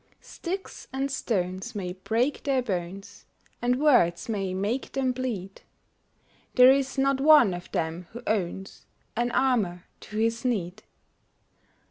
Sticks and stones may break their bones, And words may make them bleed; There is not one of them who owns An armor to his need.